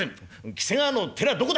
「喜瀬川の寺どこだ？」。